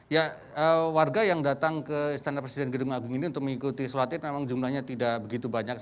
ya warga yang datang ke istana presiden gedung agung ini untuk mengikuti sholat id memang jumlahnya tidak begitu banyak